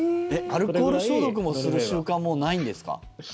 アルコール消毒をする習慣もないんですか？